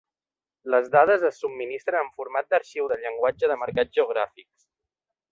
Les dades es subministren en format d'arxiu de llenguatge de marcat geogràfic.